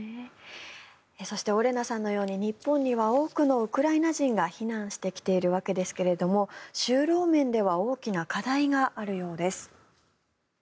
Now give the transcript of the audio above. そしてオレナさんのように日本には多くのウクライナ人が避難してきているわけですが就労面では大きな課題があるようです。